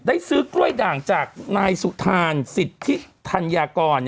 ซื้อกล้วยด่างจากนายสุธานสิทธิธัญกร